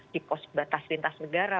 di batas lintas negara